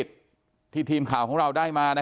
อยู่ดีมาตายแบบเปลือยคาห้องน้ำได้ยังไง